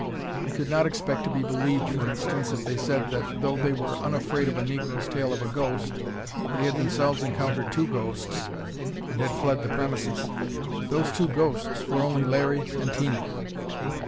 They could not expect to be believed, for instance, if they said that though they were unafraid of a negro's tale of a ghost, they had themselves encountered two ghosts, and had fled the premises! Those two ghosts were only Larry and Tina!